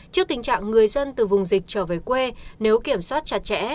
trước tình trạng người dân từ vùng dịch trở về quê nếu kiểm soát chặt chẽ